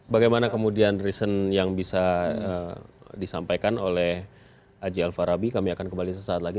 bagaimana kemudian reason yang bisa disampaikan oleh aji alfarabi kami akan kembali sesaat lagi